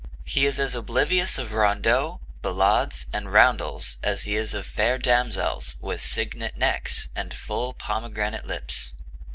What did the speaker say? He is as oblivious of rondeaux, ballades, and roundels, as he is of fair damosels with cygnet necks and full pomegranate lips.